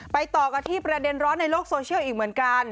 ต่อกันที่ประเด็นร้อนในโลกโซเชียลอีกเหมือนกัน